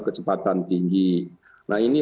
kecepatan tinggi nah ini